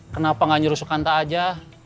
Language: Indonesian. kenapa gak nyurusuk hanta aja